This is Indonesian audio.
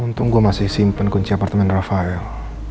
untung gue masih simpan kunci apartemen rafael